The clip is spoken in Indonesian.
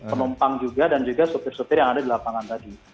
penumpang juga dan juga sopir sopir yang ada di lapangan tadi